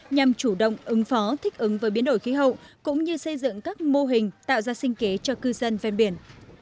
nhằm chủ động ứng phó thích ứng với biến đổi khí hậu cũng như xây dựng các mô hình tạo ra sinh kế cho cư dân ven biển